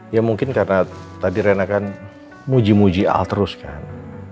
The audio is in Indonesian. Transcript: ya mungkin karena tadi rena kan muji muji al terus kan